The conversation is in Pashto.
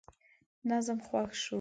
نظم خوښ شو.